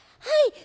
「はい。